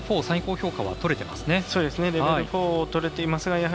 ４最高評価はとれていますね。